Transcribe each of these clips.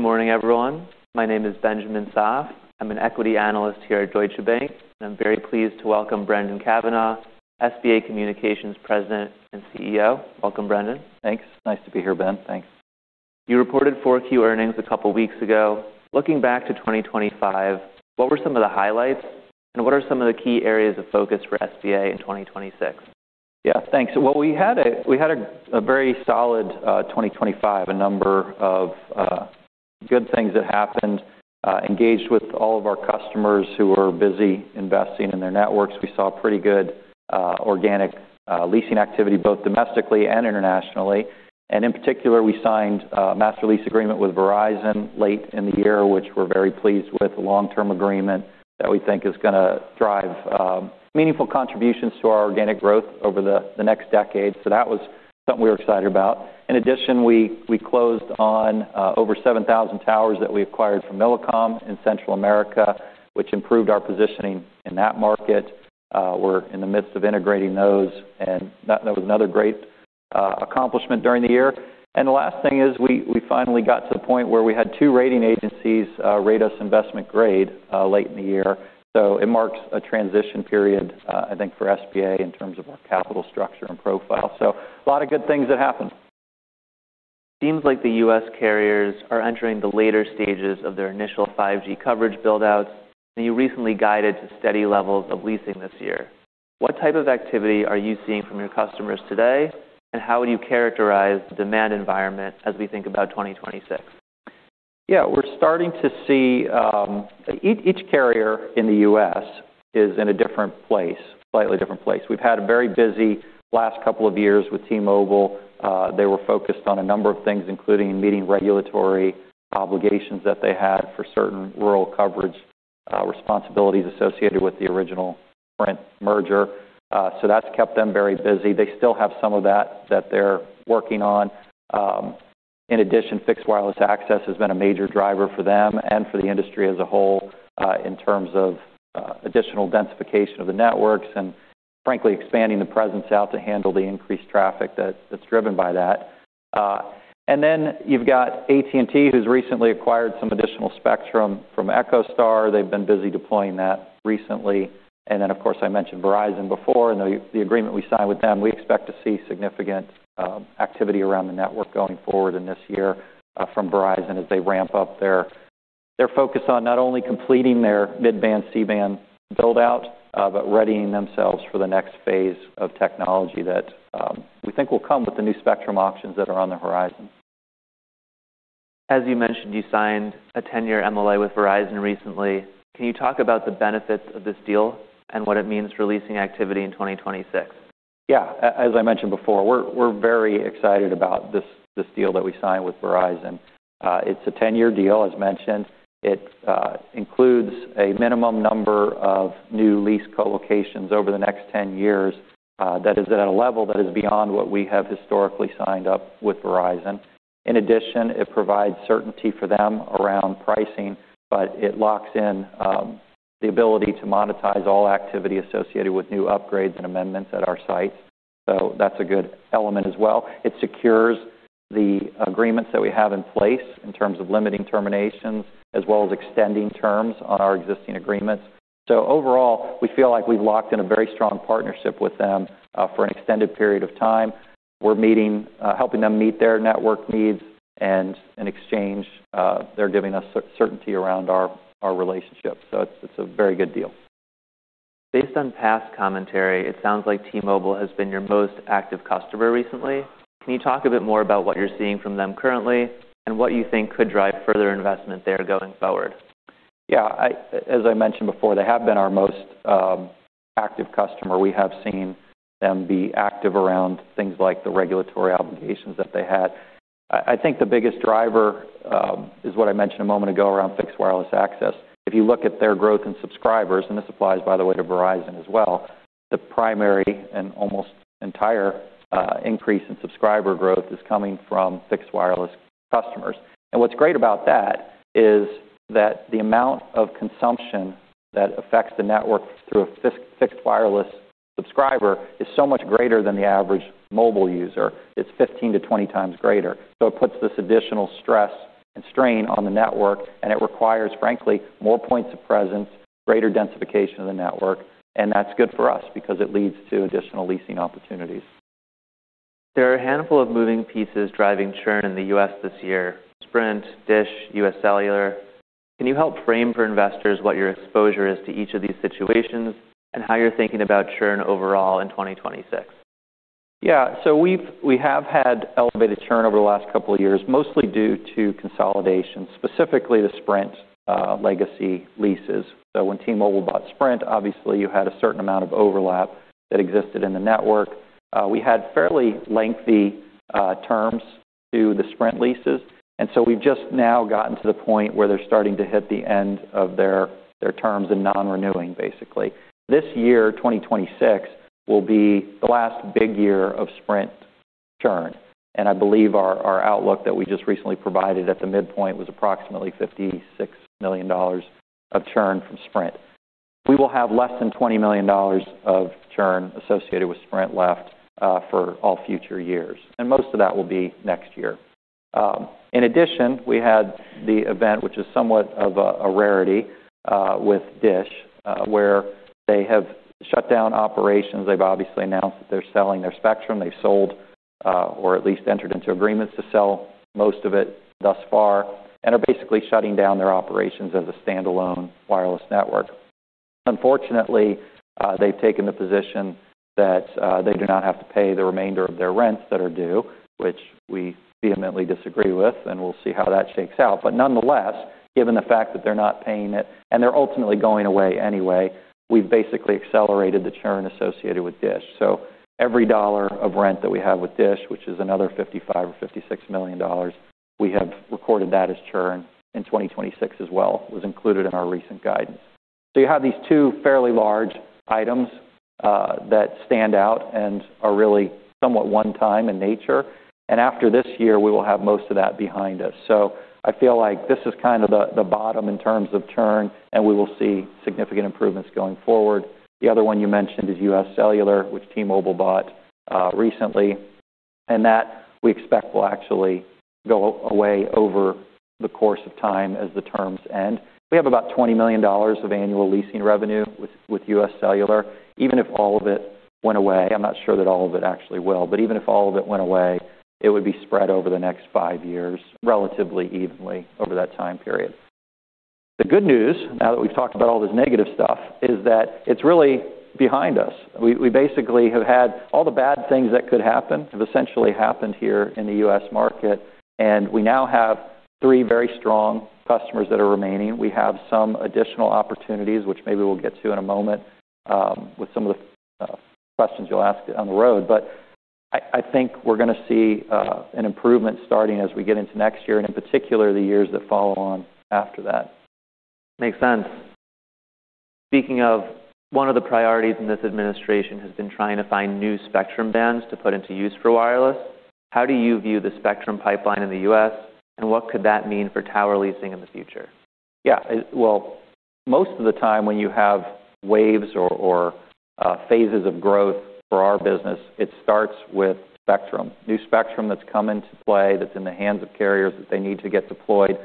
Good morning, everyone. My name is Benjamin Soff. I'm an equity analyst here at Deutsche Bank, and I'm very pleased to welcome Brendan Cavanagh, President and CEO, SBA Communications. Welcome, Brendan. Thanks. Nice to be here, Ben. Thanks. You reported Q4 earnings a couple weeks ago. Looking back to 2025, what were some of the highlights, and what are some of the key areas of focus for SBA in 2026? Yeah. Thanks. Well, we had a very solid 2025. A number of good things that happened, engaged with all of our customers who were busy investing in their networks. We saw pretty good organic leasing activity, both domestically and internationally. In particular, we signed a master lease agreement with Verizon late in the year, which we're very pleased with. A long-term agreement that we think is gonna drive meaningful contributions to our organic growth over the next decade. That was something we were excited about. In addition, we closed on over 7,000 towers that we acquired from Millicom in Central America, which improved our positioning in that market. We're in the midst of integrating those, and that was another great accomplishment during the year. The last thing is we finally got to the point where we had two rating agencies rate us investment grade late in the year. It marks a transition period, I think, for SBA in terms of our capital structure and profile. A lot of good things that happened. Seems like the U.S. carriers are entering the later stages of their initial 5G coverage build-outs, and you recently guided to steady levels of leasing this year. What type of activity are you seeing from your customers today, and how would you characterize the demand environment as we think about 2026? Yeah. We're starting to see, Each carrier in the U.S. is in a different place, slightly different place. We've had a very busy last couple of years with T-Mobile. They were focused on a number of things, including meeting regulatory obligations that they had for certain rural coverage, responsibilities associated with the original Sprint merger. That's kept them very busy. They still have some of that they're working on. In addition, fixed wireless access has been a major driver for them and for the industry as a whole, in terms of additional densification of the networks and frankly, expanding the presence out to handle the increased traffic that's driven by that. You've got AT&T, who's recently acquired some additional spectrum from EchoStar. They've been busy deploying that recently. Of course, I mentioned Verizon before, and the agreement we signed with them. We expect to see significant activity around the network going forward in this year from Verizon as they ramp up. They're focused on not only completing their mid-band C-band build-out, but readying themselves for the next phase of technology that we think will come with the new spectrum auctions that are on the horizon. As you mentioned, you signed a 10-year MLA with Verizon recently. Can you talk about the benefits of this deal and what it means for leasing activity in 2026? Yeah. As I mentioned before, we're very excited about this deal that we signed with Verizon. It's a 10-year deal, as mentioned. It includes a minimum number of new lease co-locations over the next ten years, that is at a level that is beyond what we have historically signed up with Verizon. In addition, it provides certainty for them around pricing, but it locks in the ability to monetize all activity associated with new upgrades and amendments at our site. That's a good element as well. It secures the agreements that we have in place in terms of limiting terminations, as well as extending terms on our existing agreements. Overall, we feel like we've locked in a very strong partnership with them for an extended period of time. Helping them meet their network needs and in exchange, they're giving us certainty around our relationship. It's a very good deal. Based on past commentary, it sounds like T-Mobile has been your most active customer recently. Can you talk a bit more about what you're seeing from them currently and what you think could drive further investment there going forward? Yeah. As I mentioned before, they have been our most active customer. We have seen them be active around things like the regulatory obligations that they had. I think the biggest driver is what I mentioned a moment ago around fixed wireless access. If you look at their growth in subscribers, and this applies, by the way, to Verizon as well, the primary and almost entire increase in subscriber growth is coming from fixed wireless customers. What's great about that is that the amount of consumption that affects the network through a fixed wireless subscriber is so much greater than the average mobile user. It's 15-20 times greater. It puts this additional stress and strain on the network, and it requires, frankly, more points of presence, greater densification of the network, and that's good for us because it leads to additional leasing opportunities. There are a handful of moving pieces driving churn in the U.S. this year. Sprint, DISH, UScellular. Can you help frame for investors what your exposure is to each of these situations and how you're thinking about churn overall in 2026? Yeah. We have had elevated churn over the last couple of years, mostly due to consolidation, specifically the Sprint legacy leases. When T-Mobile bought Sprint, obviously, you had a certain amount of overlap that existed in the network. We had fairly lengthy terms to the Sprint leases, and so we've just now gotten to the point where they're starting to hit the end of their terms and non-renewing, basically. This year, 2026, will be the last big year of Sprint churn, and I believe our outlook that we just recently provided at the midpoint was approximately $56 million of churn from Sprint. We will have less than $20 million of churn associated with Sprint left for all future years, and most of that will be next year. In addition, we had the event, which is somewhat of a rarity, with DISH, where they have shut down operations. They've obviously announced that they're selling their spectrum. They've sold, or at least entered into agreements to sell most of it thus far and are basically shutting down their operations as a standalone wireless network. Unfortunately, they've taken the position that they do not have to pay the remainder of their rents that are due, which we vehemently disagree with, and we'll see how that shakes out. Nonetheless, given the fact that they're not paying it and they're ultimately going away anyway, we've basically accelerated the churn associated with DISH. Every dollar of rent that we have with DISH, which is another $55 million or $56 million, we have recorded that as churn in 2026 as well. It was included in our recent guidance. You have these two fairly large items that stand out and are really somewhat one-time in nature. After this year, we will have most of that behind us. I feel like this is kind of the bottom in terms of churn, and we will see significant improvements going forward. The other one you mentioned is UScellular, which T-Mobile bought recently, and that we expect will actually go away over the course of time as the terms end. We have about $20 million of annual leasing revenue with UScellular. Even if all of it went away, I'm not sure that all of it actually will, but even if all of it went away, it would be spread over the next five years relatively evenly over that time period. The good news, now that we've talked about all this negative stuff, is that it's really behind us. We basically have had all the bad things that could happen have essentially happened here in the U.S. market, and we now have three very strong customers that are remaining. We have some additional opportunities, which maybe we'll get to in a moment, with some of the questions you'll ask on the road. I think we're gonna see an improvement starting as we get into next year and in particular, the years that follow on after that. Makes sense. Speaking of, one of the priorities in this administration has been trying to find new spectrum bands to put into use for wireless. How do you view the spectrum pipeline in the U.S., and what could that mean for tower leasing in the future? Yeah. Well, most of the time when you have waves or phases of growth for our business, it starts with spectrum. New spectrum that's come into play, that's in the hands of carriers that they need to get deployed,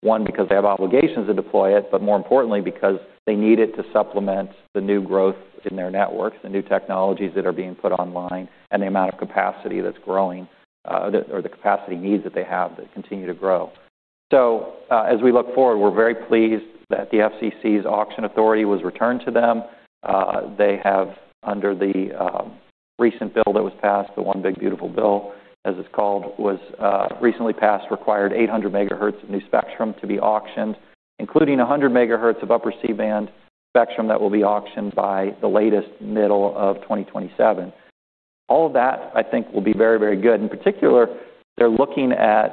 one, because they have obligations to deploy it, but more importantly because they need it to supplement the new growth in their networks, the new technologies that are being put online, and the amount of capacity that's growing or the capacity needs that they have that continue to grow. As we look forward, we're very pleased that the FCC's auction authority was returned to them. They have, under the recent bill that was passed, the One Big Beautiful Bill Act, as it's called, was recently passed, required 800 megahertz of new spectrum to be auctioned, including 100 megahertz of upper C-band spectrum that will be auctioned by the middle of 2027 at the latest. All of that, I think, will be very, very good. In particular, they're looking at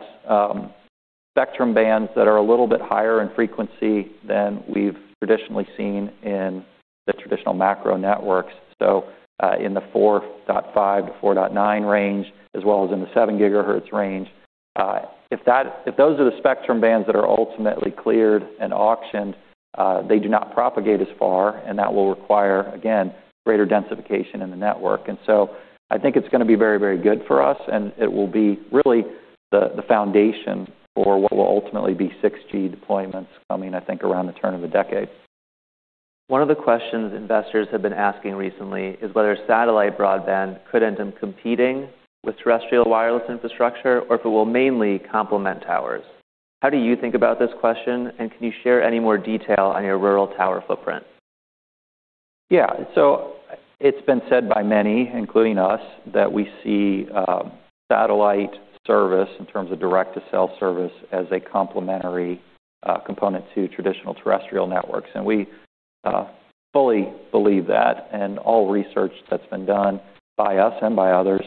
spectrum bands that are a little bit higher in frequency than we've traditionally seen in the traditional macro networks. In the 4.5-4.9 range as well as in the 7 GHz range. If those are the spectrum bands that are ultimately cleared and auctioned, they do not propagate as far, and that will require, again, greater densification in the network. I think it's gonna be very, very good for us, and it will be really the foundation for what will ultimately be 6G deployments coming, I think, around the turn of the decade. One of the questions investors have been asking recently is whether satellite broadband could end up competing with terrestrial wireless infrastructure or if it will mainly complement towers. How do you think about this question, and can you share any more detail on your rural tower footprint? Yeah. It's been said by many, including us, that we see satellite service in terms of Direct-to-Cell service as a complementary component to traditional terrestrial networks. We fully believe that, and all research that's been done by us and by others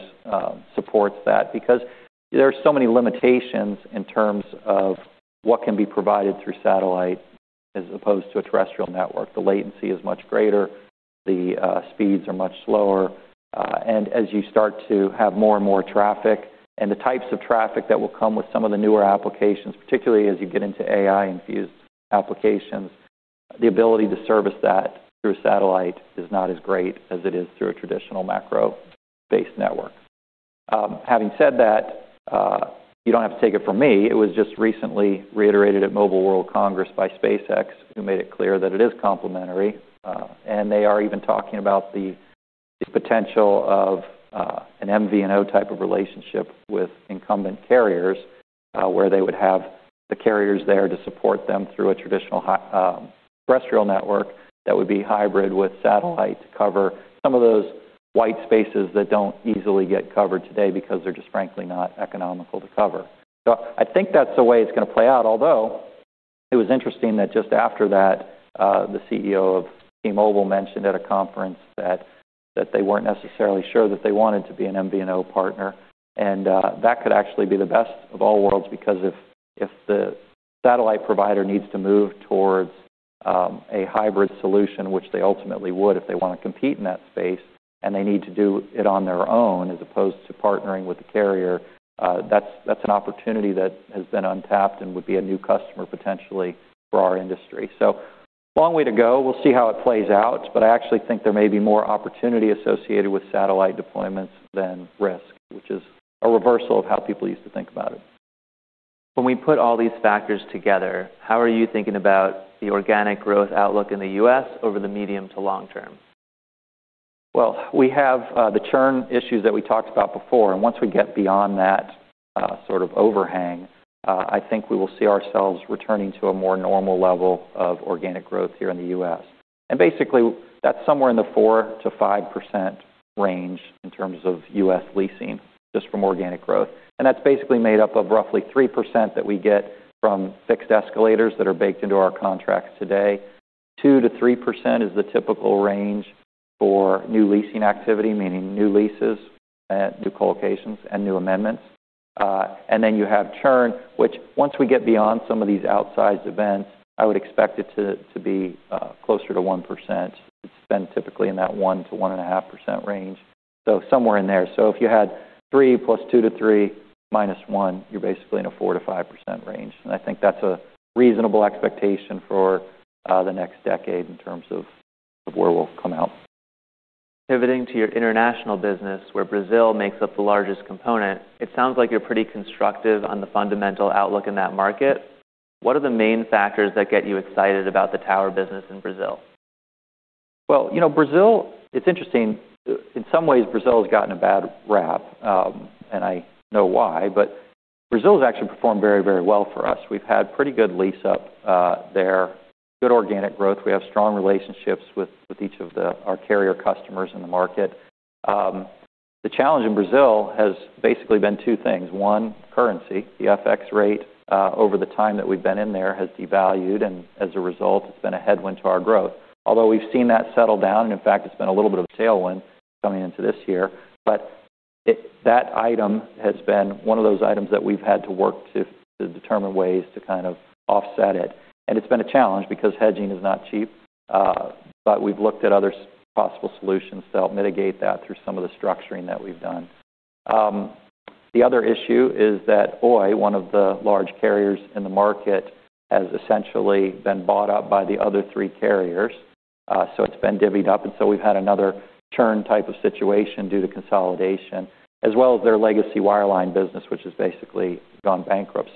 supports that. Because there are so many limitations in terms of what can be provided through satellite as opposed to a terrestrial network. The latency is much greater, the speeds are much slower, and as you start to have more and more traffic and the types of traffic that will come with some of the newer applications, particularly as you get into AI-infused applications, the ability to service that through a satellite is not as great as it is through a traditional macro-based network. Having said that, you don't have to take it from me. It was just recently reiterated at Mobile World Congress by SpaceX, who made it clear that it is complementary, and they are even talking about the potential of an MVNO type of relationship with incumbent carriers, where they would have the carriers there to support them through a traditional terrestrial network that would be hybrid with satellite to cover some of those white spaces that don't easily get covered today because they're just frankly not economical to cover. I think that's the way it's gonna play out. Although it was interesting that just after that, the CEO of T-Mobile mentioned at a conference that they weren't necessarily sure that they wanted to be an MVNO partner, and that could actually be the best of all worlds because if the satellite provider needs to move towards a hybrid solution, which they ultimately would if they wanna compete in that space, and they need to do it on their own as opposed to partnering with the carrier, that's an opportunity that has been untapped and would be a new customer potentially for our industry. Long way to go. We'll see how it plays out, but I actually think there may be more opportunity associated with satellite deployments than risk, which is a reversal of how people used to think about it. When we put all these factors together, how are you thinking about the organic growth outlook in the U.S. over the medium to long term? Well, we have the churn issues that we talked about before, and once we get beyond that sort of overhang, I think we will see ourselves returning to a more normal level of organic growth here in the US. Basically, that's somewhere in the 4-5% range in terms of U.S. leasing just from organic growth. That's basically made up of roughly 3% that we get from fixed escalators that are baked into our contracts today. 2-3% is the typical range for new leasing activity, meaning new leases, new co-locations, and new amendments. You have churn, which once we get beyond some of these outsized events, I would expect it to be closer to 1%. It's been typically in that 1-1.5% range, so somewhere in there. If you had 3 + 2 to 3 - 1, you're basically in a 4-5% range. I think that's a reasonable expectation for the next decade in terms of where we'll come out. Pivoting to your international business, where Brazil makes up the largest component, it sounds like you're pretty constructive on the fundamental outlook in that market. What are the main factors that get you excited about the tower business in Brazil? Well, you know, Brazil, it's interesting. In some ways, Brazil has gotten a bad rap, and I know why, but Brazil has actually performed very, very well for us. We've had pretty good lease up there, good organic growth. We have strong relationships with each of our carrier customers in the market. The challenge in Brazil has basically been two things. One, currency. The FX rate over the time that we've been in there has devalued, and as a result, it's been a headwind to our growth. Although we've seen that settle down, and in fact, it's been a little bit of a tailwind coming into this year. But that item has been one of those items that we've had to work to determine ways to kind of offset it. It's been a challenge because hedging is not cheap, but we've looked at other possible solutions to help mitigate that through some of the structuring that we've done. The other issue is that Oi, one of the large carriers in the market, has essentially been bought out by the other three carriers. It's been divvied up, and so we've had another churn type of situation due to consolidation, as well as their legacy wireline business, which has basically gone bankrupt.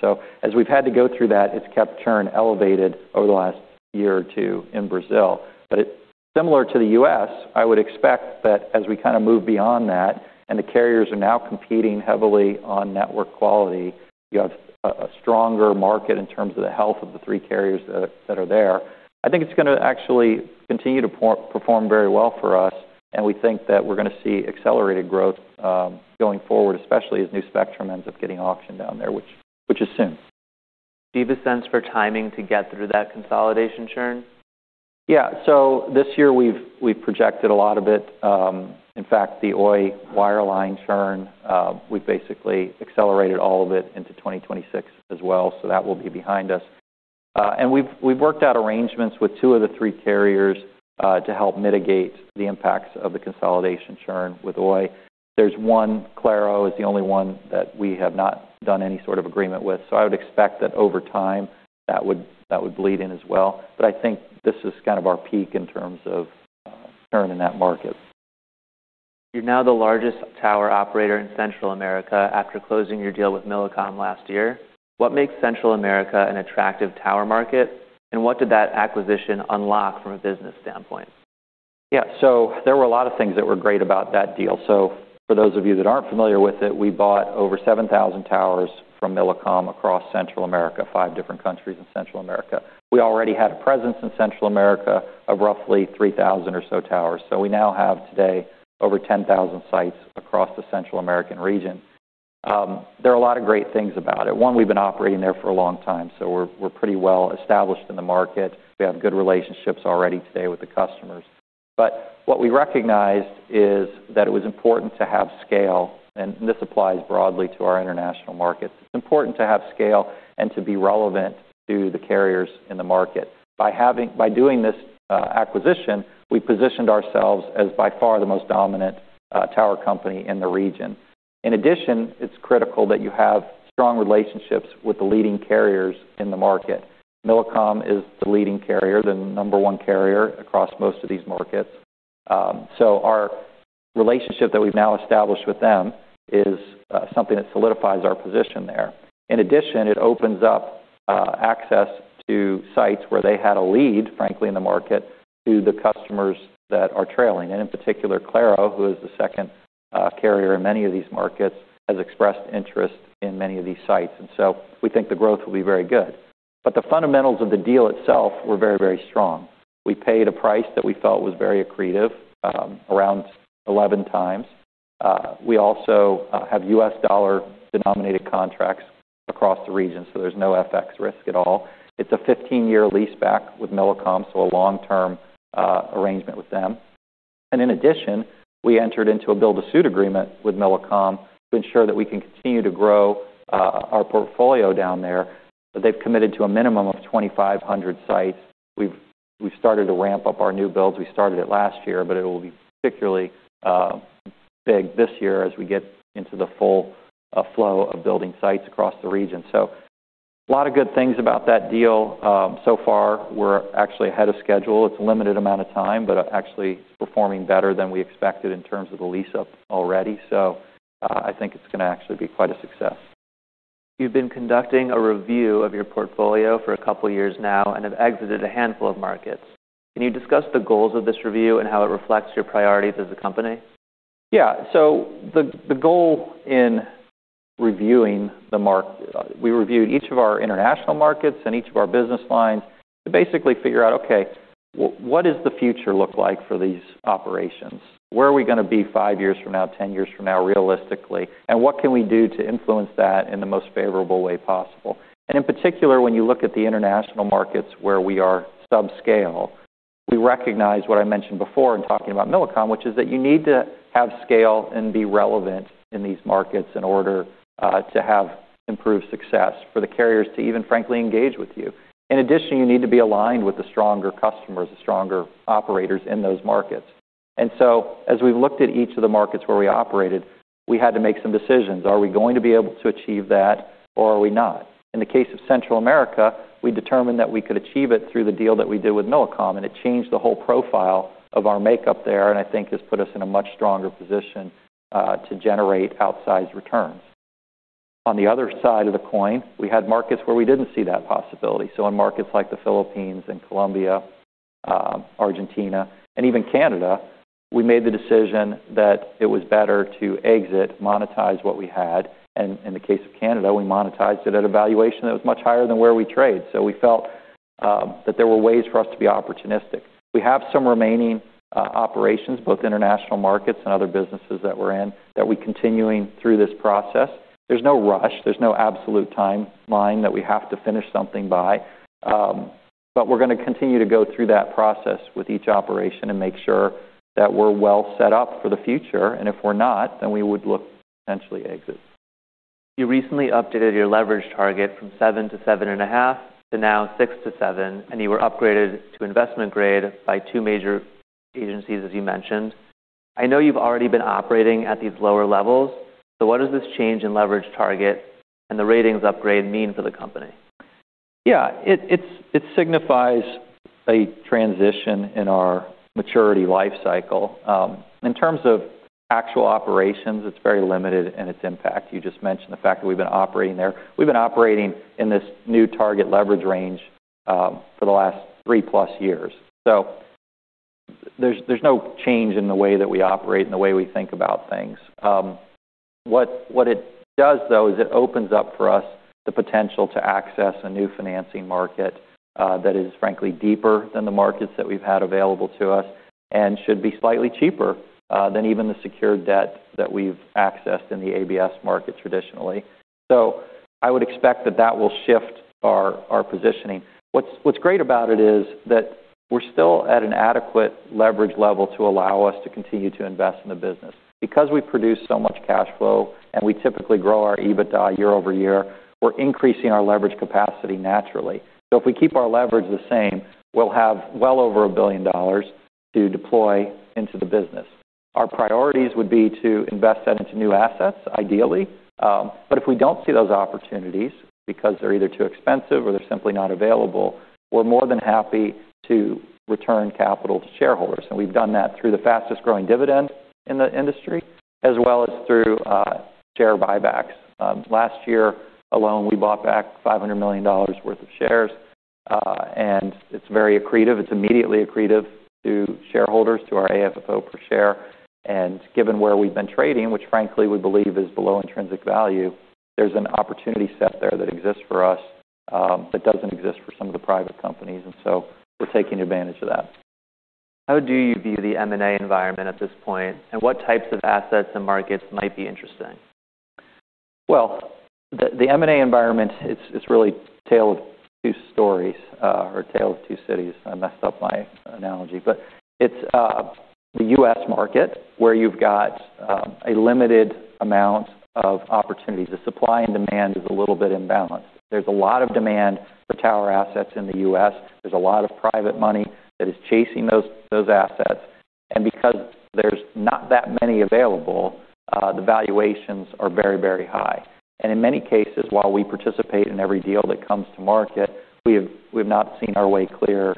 As we've had to go through that, it's kept churn elevated over the last year or two in Brazil. Similar to the US, I would expect that as we kind of move beyond that and the carriers are now competing heavily on network quality, you have a stronger market in terms of the health of the three carriers that are there. I think it's gonna actually continue to perform very well for us, and we think that we're gonna see accelerated growth going forward, especially as new spectrum ends up getting auctioned down there, which is soon. Do you have a sense for timing to get through that consolidation churn? Yeah. This year we've projected a lot of it. In fact, the Oi wireline churn, we've basically accelerated all of it into 2026 as well, so that will be behind us. We've worked out arrangements with two of the three carriers to help mitigate the impacts of the consolidation churn with Oi. There's one, Claro is the only one that we have not done any sort of agreement with. I would expect that over time, that would bleed in as well. I think this is kind of our peak in terms of churn in that market. You're now the largest tower operator in Central America after closing your deal with Millicom last year. What makes Central America an attractive tower market, and what did that acquisition unlock from a business standpoint? Yeah. There were a lot of things that were great about that deal. For those of you that aren't familiar with it, we bought over 7,000 towers from Millicom across Central America, five different countries in Central America. We already had a presence in Central America of roughly 3,000 or so towers. We now have today over 10,000 sites across the Central American region. There are a lot of great things about it. One, we've been operating there for a long time, so we're pretty well established in the market. We have good relationships already today with the customers. But what we recognized is that it was important to have scale, and this applies broadly to our international markets. It's important to have scale and to be relevant to the carriers in the market. By doing this acquisition, we positioned ourselves as by far the most dominant tower company in the region. In addition, it's critical that you have strong relationships with the leading carriers in the market. Millicom is the leading carrier, the number one carrier across most of these markets. So our relationship that we've now established with them is something that solidifies our position there. In addition, it opens up access to sites where they had a lead, frankly, in the market to the customers that are trailing. In particular, Claro, who is the second carrier in many of these markets, has expressed interest in many of these sites. We think the growth will be very good. The fundamentals of the deal itself were very, very strong. We paid a price that we felt was very accretive, around 11 times. We also have U.S. Dollar-denominated contracts across the region, so there's no FX risk at all. It's a 15-year lease back with Millicom, so a long-term arrangement with them. In addition, we entered into a build-to-suit agreement with Millicom to ensure that we can continue to grow our portfolio down there. They've committed to a minimum of 2,500 sites. We've started to ramp up our new builds. We started it last year, but it'll be particularly big this year as we get into the full flow of building sites across the region. A lot of good things about that deal. So far we're actually ahead of schedule. It's a limited amount of time, but actually it's performing better than we expected in terms of the lease-up already. I think it's gonna actually be quite a success. You've been conducting a review of your portfolio for a couple years now and have exited a handful of markets. Can you discuss the goals of this review and how it reflects your priorities as a company? Yeah. The goal in reviewing we reviewed each of our international markets and each of our business lines to basically figure out, okay, what does the future look like for these operations? Where are we gonna be five years from now, 10 years from now, realistically? What can we do to influence that in the most favorable way possible? In particular, when you look at the international markets where we are subscale, we recognize what I mentioned before in talking about Millicom, which is that you need to have scale and be relevant in these markets in order to have improved success for the carriers to even frankly engage with you. In addition, you need to be aligned with the stronger customers, the stronger operators in those markets. As we've looked at each of the markets where we operated, we had to make some decisions. Are we going to be able to achieve that or are we not? In the case of Central America, we determined that we could achieve it through the deal that we did with Millicom, and it changed the whole profile of our makeup there, and I think has put us in a much stronger position to generate outsized returns. On the other side of the coin, we had markets where we didn't see that possibility. In markets like the Philippines and Colombia, Argentina, and even Canada, we made the decision that it was better to exit, monetize what we had. In the case of Canada, we monetized it at a valuation that was much higher than where we trade. We felt that there were ways for us to be opportunistic. We have some remaining operations, both international markets and other businesses that we're in, that we're continuing through this process. There's no rush. There's no absolute timeline that we have to finish something by. We're gonna continue to go through that process with each operation and make sure that we're well set up for the future, and if we're not, then we would look to potentially exit. You recently updated your leverage target from 7-7.5 to now 6-7, and you were upgraded to investment grade by two major agencies, as you mentioned. I know you've already been operating at these lower levels, so what does this change in leverage target and the ratings upgrade mean for the company? Yeah. It signifies a transition in our maturity life cycle. In terms of actual operations, it's very limited in its impact. You just mentioned the fact that we've been operating there. We've been operating in this new target leverage range for the last three-plus years. There's no change in the way that we operate and the way we think about things. What it does though is it opens up for us the potential to access a new financing market that is frankly deeper than the markets that we've had available to us and should be slightly cheaper than even the secured debt that we've accessed in the ABS market traditionally. I would expect that will shift our positioning. What's great about it is that we're still at an adequate leverage level to allow us to continue to invest in the business. Because we produce so much cash flow and we typically grow our EBITDA year-over-year, we're increasing our leverage capacity naturally. If we keep our leverage the same, we'll have well over $1 billion to deploy into the business. Our priorities would be to invest that into new assets, ideally. If we don't see those opportunities because they're either too expensive or they're simply not available, we're more than happy to return capital to shareholders, and we've done that through the fastest-growing dividend in the industry, as well as through share buybacks. Last year alone, we bought back $500 million worth of shares, and it's very accretive. It's immediately accretive to shareholders, to our AFFO per share. Given where we've been trading, which frankly we believe is below intrinsic value, there's an opportunity set there that exists for us, that doesn't exist for some of the private companies, and so we're taking advantage of that. How do you view the M&A environment at this point, and what types of assets and markets might be interesting? Well, the M&A environment, it's really a tale of two stories or a tale of two cities. I messed up my analogy. It's the U.S. market where you've got a limited amount of opportunities. The supply and demand is a little bit imbalanced. There's a lot of demand for tower assets in the U.S. There's a lot of private money that is chasing those assets. Because there's not that many available, the valuations are very, very high. In many cases, while we participate in every deal that comes to market, we've not seen our way clear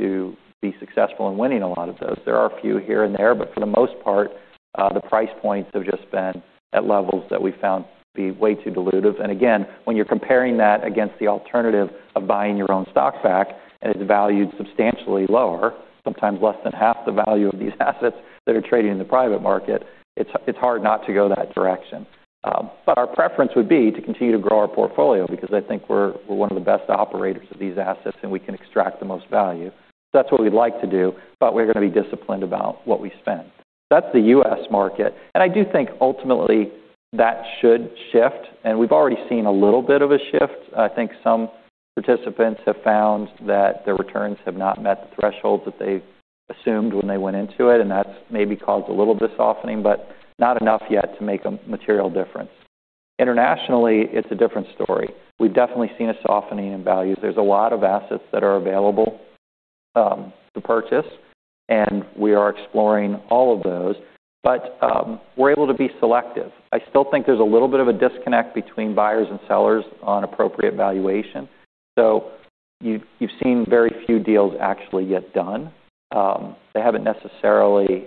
to be successful in winning a lot of those. There are a few here and there, but for the most part, the price points have just been at levels that we found to be way too dilutive. Again, when you're comparing that against the alternative of buying your own stock back, and it's valued substantially lower, sometimes less than half the value of these assets that are trading in the private market, it's hard not to go that direction. Our preference would be to continue to grow our portfolio because I think we're one of the best operators of these assets, and we can extract the most value. That's what we'd like to do, but we're gonna be disciplined about what we spend. That's the U.S. market. I do think ultimately that should shift, and we've already seen a little bit of a shift. I think some participants have found that their returns have not met the threshold that they've assumed when they went into it, and that's maybe caused a little bit of softening, but not enough yet to make a material difference. Internationally, it's a different story. We've definitely seen a softening in values. There's a lot of assets that are available to purchase, and we are exploring all of those. We're able to be selective. I still think there's a little bit of a disconnect between buyers and sellers on appropriate valuation. You've seen very few deals actually get done. They haven't necessarily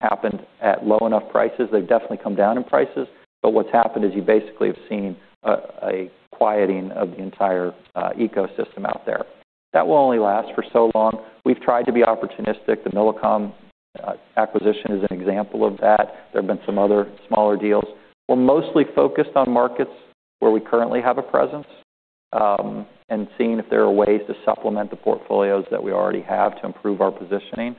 happened at low enough prices. They've definitely come down in prices. What's happened is you basically have seen a quieting of the entire ecosystem out there. That will only last for so long. We've tried to be opportunistic. The Millicom acquisition is an example of that. There have been some other smaller deals. We're mostly focused on markets where we currently have a presence, and seeing if there are ways to supplement the portfolios that we already have to improve our positioning.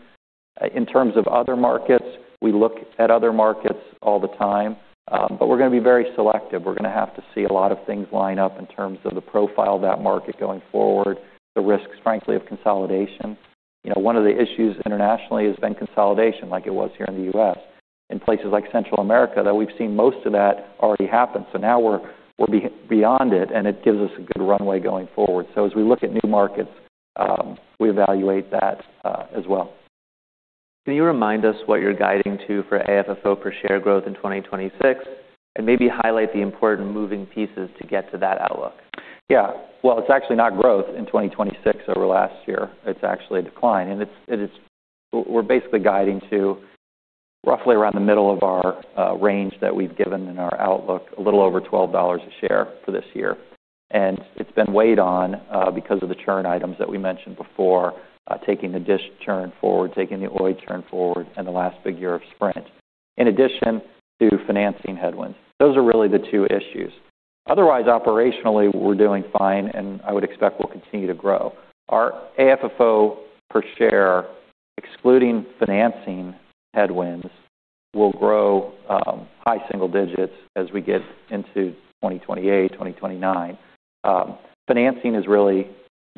In terms of other markets, we look at other markets all the time, but we're gonna be very selective. We're gonna have to see a lot of things line up in terms of the profile of that market going forward, the risks, frankly, of consolidation. You know, one of the issues internationally has been consolidation, like it was here in the U.S. In places like Central America, that we've seen most of that already happen. Now we're beyond it, and it gives us a good runway going forward. As we look at new markets, we evaluate that, as well. Can you remind us what you're guiding to for AFFO per share growth in 2026, and maybe highlight the important moving pieces to get to that outlook? Yeah. Well, it's actually not growth in 2026 over last year. It's actually a decline. We're basically guiding to roughly around the middle of our range that we've given in our outlook, a little over $12 a share for this year. It's been weighed down because of the churn items that we mentioned before, taking the DISH churn forward, taking the Oi churn forward, and the last big year of Sprint, in addition to financing headwinds. Those are really the two issues. Otherwise, operationally, we're doing fine, and I would expect we'll continue to grow. Our AFFO per share, excluding financing headwinds, will grow high single digits as we get into 2028, 2029. Financing is really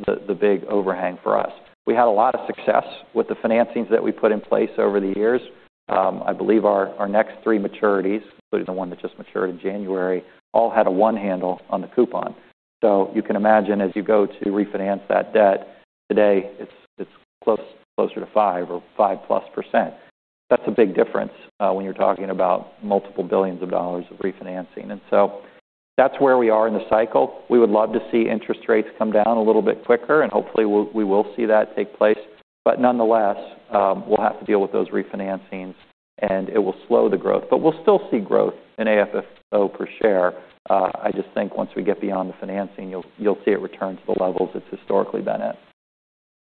the big overhang for us. We had a lot of success with the financings that we put in place over the years. I believe our next three maturities, including the one that just matured in January, all had a one handle on the coupon. You can imagine, as you go to refinance that debt today, it's closer to 5% or 5%+. That's a big difference, when you're talking about $ multiple billions of refinancing. That's where we are in the cycle. We would love to see interest rates come down a little bit quicker, and hopefully we will see that take place. Nonetheless, we'll have to deal with those refinancings, and it will slow the growth. We'll still see growth in AFFO per share. I just think once we get beyond the financing, you'll see it return to the levels it's historically been at.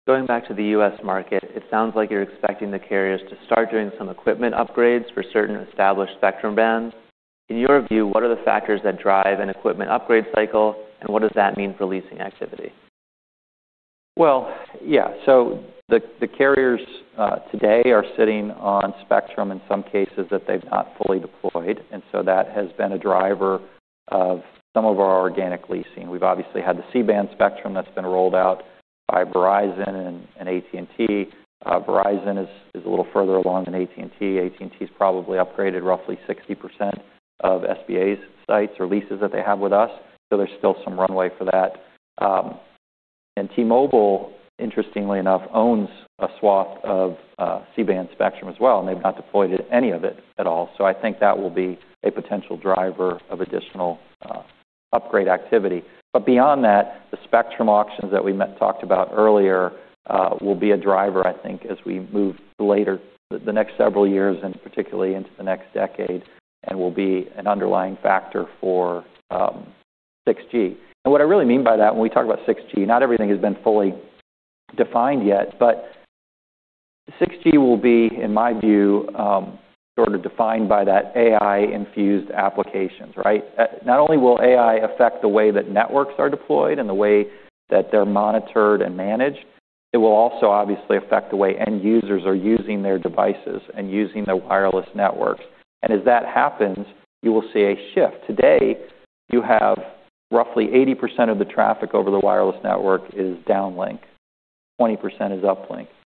Going back to the U.S. market, it sounds like you're expecting the carriers to start doing some equipment upgrades for certain established spectrum bands. In your view, what are the factors that drive an equipment upgrade cycle, and what does that mean for leasing activity? Well, yeah. The carriers today are sitting on spectrum in some cases that they've not fully deployed, and that has been a driver of some of our organic leasing. We've obviously had the C-band spectrum that's been rolled out by Verizon and AT&T. Verizon is a little further along than AT&T. AT&T's probably upgraded roughly 60% of SBA's sites or leases that they have with us, so there's still some runway for that. T-Mobile, interestingly enough, owns a swath of C-band spectrum as well, and they've not deployed any of it at all. I think that will be a potential driver of additional upgrade activity. Beyond that, the spectrum auctions that we talked about earlier will be a driver, I think, as we move later, the next several years and particularly into the next decade, and will be an underlying factor for 6G. What I really mean by that when we talk about 6G, not everything has been fully defined yet, but 6G will be, in my view, sort of defined by that AI-infused applications, right? Not only will AI affect the way that networks are deployed and the way that they're monitored and managed, it will also obviously affect the way end users are using their devices and using the wireless networks. As that happens, you will see a shift. Today, you have roughly 80% of the traffic over the wireless network is downlink, 20% is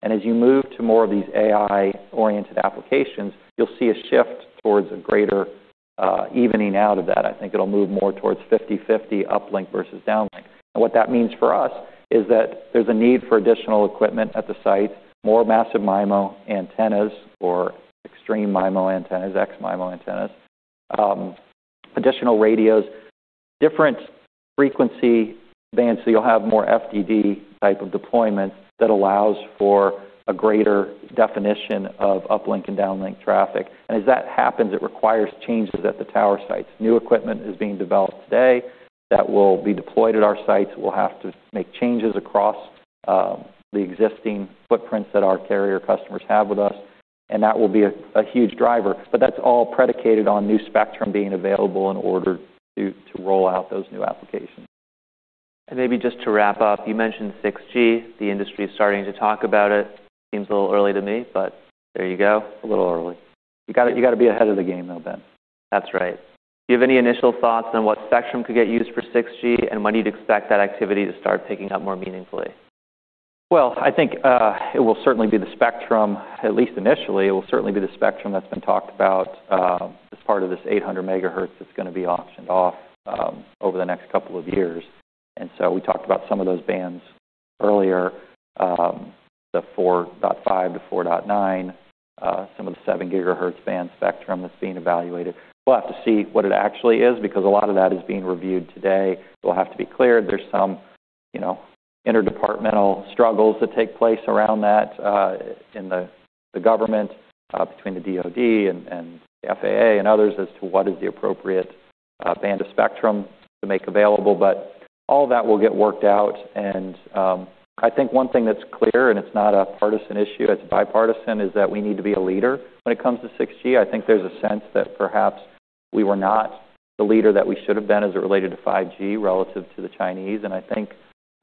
uplink. As you move to more of these AI-oriented applications, you'll see a shift towards a greater evening out of that. I think it'll move more towards 50/50 uplink versus downlink. What that means for us is that there's a need for additional equipment at the site, more Massive MIMO antennas or Extreme MIMO antennas, X MIMO antennas, additional radios, different frequency bands so you'll have more FDD type of deployment that allows for a greater definition of uplink and downlink traffic. As that happens, it requires changes at the tower sites. New equipment is being developed today that will be deployed at our sites. We'll have to make changes across the existing footprints that our carrier customers have with us, and that will be a huge driver. That's all predicated on new spectrum being available in order to roll out those new applications. Maybe just to wrap up, you mentioned 6G. The industry is starting to talk about it. Seems a little early to me, but there you go. A little early. You gotta be ahead of the game though, Ben. That's right. Do you have any initial thoughts on what spectrum could get used for 6G and when you'd expect that activity to start picking up more meaningfully? Well, I think it will certainly be the spectrum, at least initially. It will certainly be the spectrum that's been talked about as part of this 800 MHz that's gonna be auctioned off over the next couple of years. We talked about some of those bands earlier, the 4.5-4.9, some of the 7 GHz band spectrum that's being evaluated. We'll have to see what it actually is because a lot of that is being reviewed today. It will have to be cleared. There's some, you know, interdepartmental struggles that take place around that in the government between the DoD and the FAA and others as to what is the appropriate band of spectrum to make available. All that will get worked out. I think one thing that's clear, and it's not a partisan issue, it's bipartisan, is that we need to be a leader when it comes to 6G. I think there's a sense that perhaps we were not the leader that we should have been as it related to 5G relative to the Chinese. I think,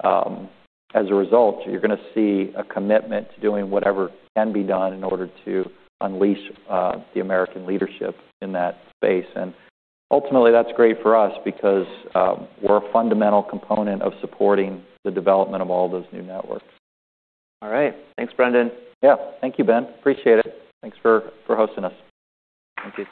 as a result, you're gonna see a commitment to doing whatever can be done in order to unleash the American leadership in that space. Ultimately, that's great for us because we're a fundamental component of supporting the development of all those new networks. All right. Thanks, Brendan. Yeah. Thank you, Ben. Appreciate it. Thanks for hosting us. Thank you.